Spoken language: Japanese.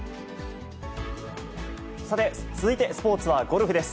さて、続いてスポーツはゴルフです。